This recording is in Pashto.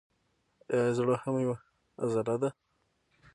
ایا زړه هم یوه عضله ده